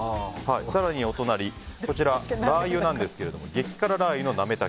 更に、お隣はラー油なんですが激辛ラー油なめ茸。